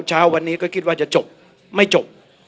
เช้าวันนี้ก็คิดว่าจะจบไม่จบ